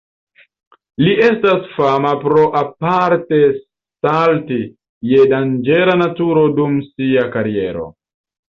Li estas fama pro aparte salti je danĝera naturo dum sia kariero.